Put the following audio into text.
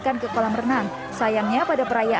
ya ini bagian dari